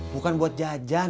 bukan buat jajan